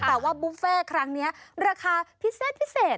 แต่ว่าบุฟเฟ่ครั้งนี้ราคาพิเศษพิเศษ